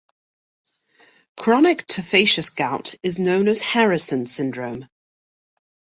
Chronic tophaceous gout is known as Harrison Syndrome.